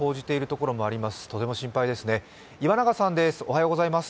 とても心配ですね。